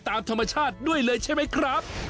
ตามธรรมชาติด้วยเลยใช่ไหมครับ